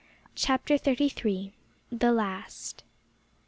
CHAPTER THIRTY THREE. THE LAST.